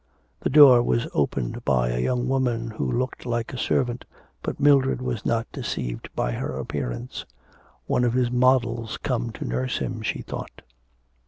The door was opened by a young woman who looked like a servant, but Mildred was not deceived by her appearance. 'One of his models come to nurse him,' she thought.